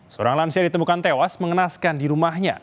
seorang lansia ditemukan tewas mengenaskan di rumahnya